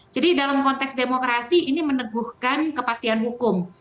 jadi dalam konteks demokrasi ini meneguhkan kepastian hukum